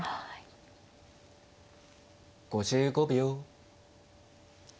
５５秒。